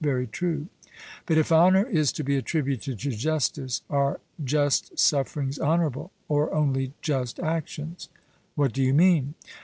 'Very true.' But if honour is to be attributed to justice, are just sufferings honourable, or only just actions? 'What do you mean?'